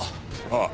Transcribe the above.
ああ。